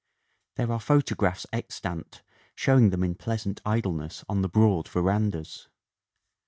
There are photo graphs extant showing them in pleasant idleness on the broad verandas.